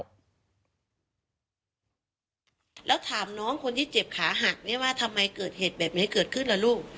แล้วถามน้องคนที่เจ็บขาหักเนี่ยว่าทำไมเกิดเหตุแบบนี้เกิดขึ้นล่ะลูก